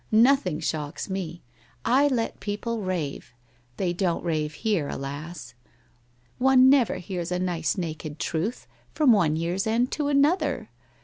Nothing shocks me. I let people rave. They don't rave here, alas! One never hears a nice naked truth from one year's end to another.